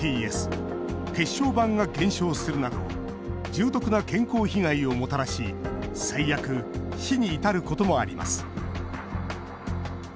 血小板が減少するなど重篤な健康被害をもたらし最悪、死に至ることもあります。